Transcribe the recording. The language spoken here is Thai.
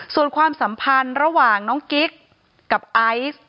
ส่วนความสัมพันธ์ระหว่างน้องกิ๊กกับไอซ์